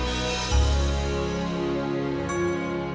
aku cuma mau harga kamu sendiri